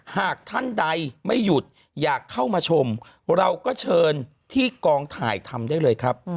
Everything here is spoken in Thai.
หากท่านใดไม่หยุดอยากเข้ามาชมเราก็เชิญที่กองถ่ายทำได้เลยครับ